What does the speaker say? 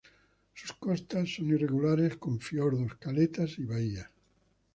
Sus costas son irregulares, con fiordos, caletas y bahías.